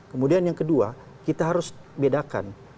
kemudian yang kedua kita harus bedakan